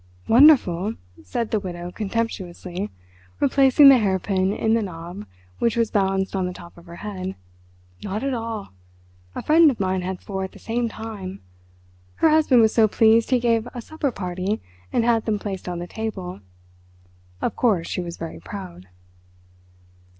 "Wonderful," said the Widow contemptuously, replacing the hairpin in the knob which was balanced on the top of her head. "Not at all! A friend of mine had four at the same time. Her husband was so pleased he gave a supper party and had them placed on the table. Of course she was very proud."